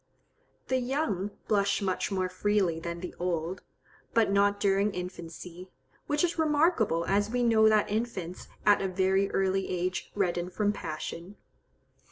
The young blush much more freely than the old, but not during infancy, which is remarkable, as we know that infants at a very early age redden from passion.